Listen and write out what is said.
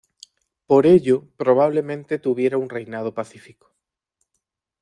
Por ello probablemente tuviera un reinado pacífico.